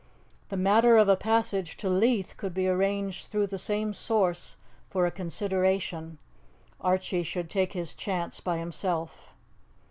The matter of a passage to Leith could be arranged through the same source for a consideration. Archie should take his chance by himself.